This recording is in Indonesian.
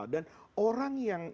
dan orang yang